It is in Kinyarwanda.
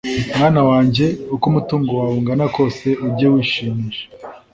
mwana wanjye, uko umutungo wawe ungana kose, ujye wishimisha